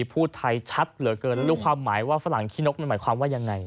พูดไทยชัดเหลือเกินรู้ความหมายว่าฝรั่งขี้นกมันหมายความว่ายังไง